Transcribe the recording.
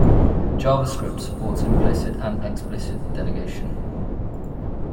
JavaScript supports implicit and explicit delegation.